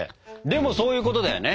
でもそういうことだよね？